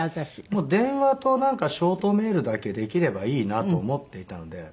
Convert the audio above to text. もう電話となんかショートメールだけできればいいなと思っていたので。